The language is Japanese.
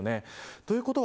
ということは